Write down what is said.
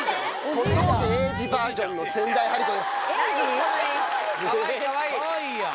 ・小峠英二バージョンの仙台張子です。